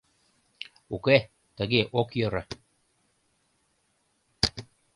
— Уке, тыге ок йӧрӧ.